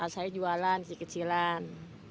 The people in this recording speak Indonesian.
saya jualan di kecilan